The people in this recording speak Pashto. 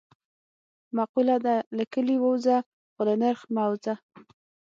معقوله ده: له کلي ووځه خو له نرخ نه مه وځه.